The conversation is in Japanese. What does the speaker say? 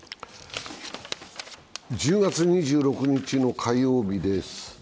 １０月２６日の火曜日です。